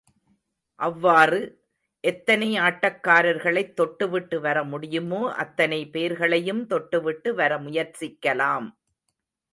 அவ்வாறு எத்தனை ஆட்டக்காரர்களைத் தொட்டுவிட்டு வர முடியுமோ, அத்தனை பேர்களையும் தொட்டுவிட்டு வர முயற்சிக்கலாம்.